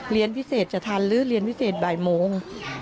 เรียนพิเศษจะทันหรือเรียนพิเศษบ่ายโมง